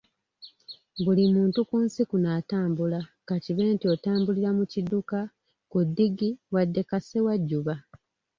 Buli muntu ku nsi kuno atambula, ka kibe nti otambulira mu kidduka, ku ddigi, wadde ka ssewajjuba.